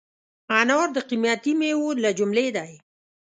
انار د قیمتي مېوو له جملې دی.